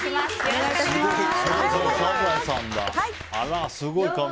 すごい。